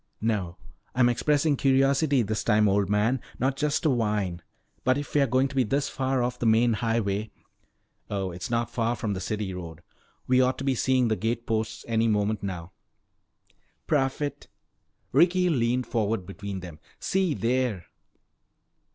"No. I'm expressing curiosity this time, old man, not just a whine. But if we're going to be this far off the main highway " "Oh, it's not far from the city road. We ought to be seeing the gate posts any moment now." "Prophet!" Ricky leaned forward between them. "See there!"